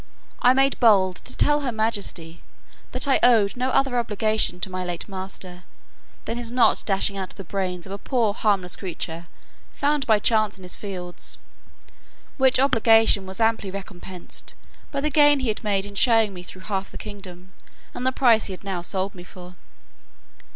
I made bold to tell her majesty, "that I owed no other obligation to my late master, than his not dashing out the brains of a poor harmless creature, found by chance in his fields: which obligation was amply recompensed, by the gain he had made in showing me through half the kingdom, and the price he had now sold me for.